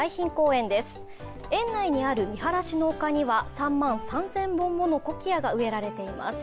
園内にあるみはらしの丘には、３万３０００万本ものコキアが植えられています。